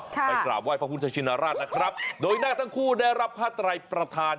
ไปกราบไห้พระพุทธชินราชนะครับโดยนาคทั้งคู่ได้รับผ้าไตรประธาน